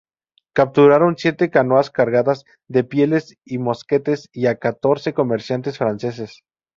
Capturaron siete canoas cargadas de pieles y mosquetes y a catorce comerciantes franceses.